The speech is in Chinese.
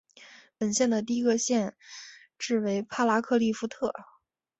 本县的第一个县治为帕拉克利夫特。